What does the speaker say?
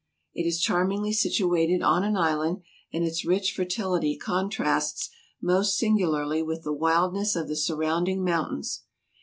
It is charmingly situated on an island, and its rich fertility contrasts most singularly with the wildness of the surrounding mountains.